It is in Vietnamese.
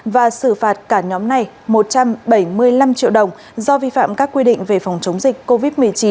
và xử phạt cả nhóm này một trăm bảy mươi năm triệu đồng do vi phạm các quy định về phòng chống dịch covid một mươi chín